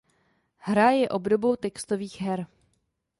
Hra je obdobou textových her.